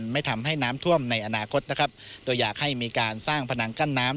ไม่ทำให้น้ำท่วมในอนาคตนะครับโดยอยากให้มีการสร้างพนังกั้นน้ำ